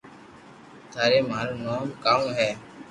: ٿاري مان رو نوم ڪاؤ ھي